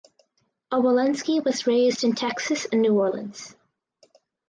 Obolensky was raised in Texas and New Orleans.